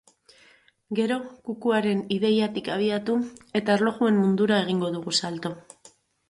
Gero, kukuaren ideiatik abiatu eta erlojuen mundura egingo dugu salto.